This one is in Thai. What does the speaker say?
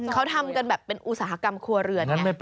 เขาทำกันแบบเป็นอุตสาหกรรมครัวเรือนไง